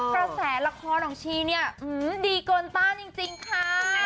กระแสละครของชีเนี่ยดีเกินต้านจริงค่ะ